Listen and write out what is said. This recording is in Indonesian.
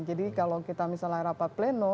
jadi kalau kita misalnya rapat pleno